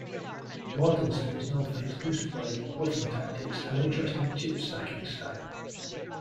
Mortensen is known for his loose play, bluffing tactics, and interesting chip-stacking style.